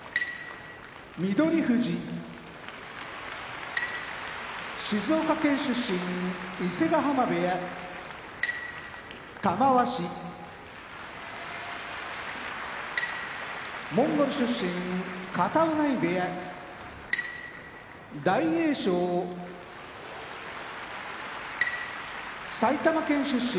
翠富士静岡県出身伊勢ヶ濱部屋玉鷲モンゴル出身片男波部屋大栄翔埼玉県出身